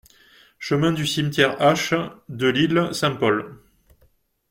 Chemin du Cimetière H Delisle, Saint-Paul